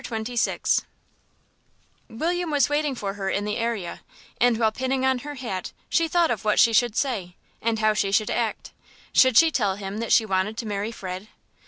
XXVI William was waiting for her in the area; and while pinning on her hat she thought of what she should say, and how she should act. Should she tell him that she wanted to marry Fred?